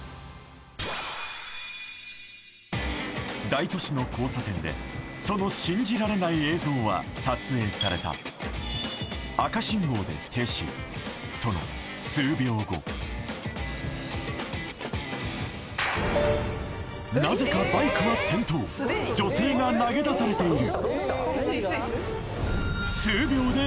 大都市の交差点でその信じられない映像は撮影されたその数秒後なぜかバイクは転倒女性が投げ出されている数秒で